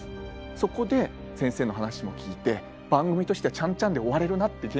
そこで先生の話も聞いて番組としてはチャンチャンで終われるなって現場で思ってた。